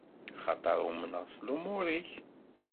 Axaṭer umneɣ s lumuṛ-ik.